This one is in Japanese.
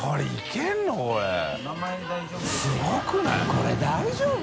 これ大丈夫？